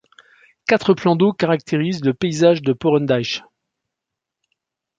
Quatre plans d'eau caractérisent le paysage de Porrendeich.